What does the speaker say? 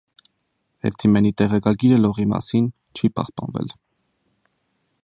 Էվթիմենի տեղեկագիրը լողի մասին չի պահպանվել։